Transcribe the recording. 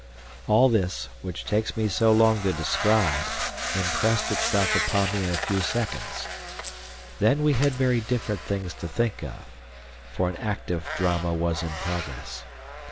All this, which takes me so long to describe, impressed itself upon me in a few seconds. Then we had very different things to think of, for an active drama was in progress.